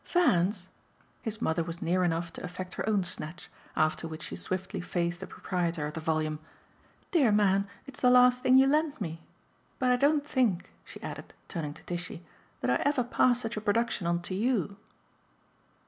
"Van's?" his mother was near enough to effect her own snatch, after which she swiftly faced the proprietor of the volume. "Dear man, it's the last thing you lent me! But I don't think," she added, turning to Tishy, "that I ever passed such a production on to YOU."